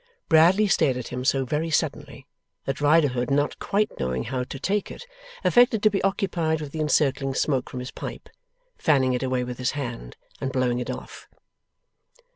Bradley stared at him so very suddenly that Riderhood, not quite knowing how to take it, affected to be occupied with the encircling smoke from his pipe; fanning it away with his hand, and blowing it off.